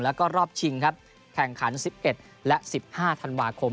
และรอบชิงแข่งขัน๑๑และ๑๕ธันวาคม